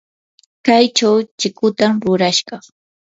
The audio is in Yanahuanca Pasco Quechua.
kaychaw chikutam rurashaq.